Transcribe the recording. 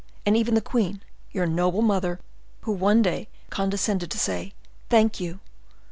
and even the queen, your noble mother, who one day condescended to say, 'Thank you.